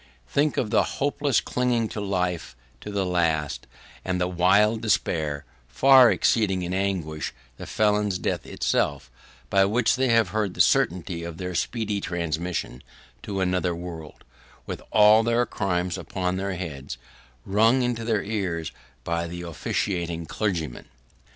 Think of the hopeless clinging to life to the last, and the wild despair, far exceeding in anguish the felon's death itself, by which they have heard the certainty of their speedy transmission to another world, with all their crimes upon their heads, rung into their ears by the officiating clergyman!